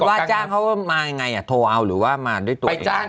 ว่าจ้างเขามายังไงโทรเอาหรือว่ามาด้วยตัวเอง